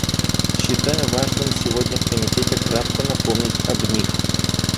Считаю важным сегодня в Комитете кратко напомнить об них.